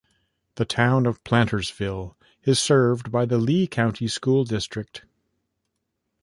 The Town of Plantersville is served by the Lee County School District.